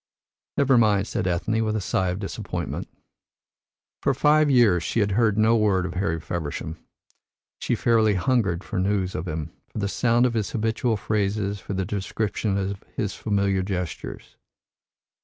"Never mind," said Ethne, with a sigh of disappointment. For five years she had heard no word of Harry Feversham. She fairly hungered for news of him, for the sound of his habitual phrases, for the description of his familiar gestures.